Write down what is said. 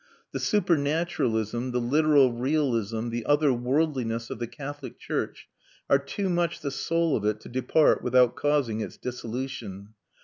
The supernaturalism, the literal realism, the other worldliness of the Catholic church are too much the soul of it to depart without causing its dissolution.